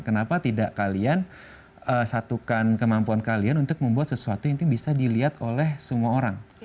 kenapa tidak kalian satukan kemampuan kalian untuk membuat sesuatu yang bisa dilihat oleh semua orang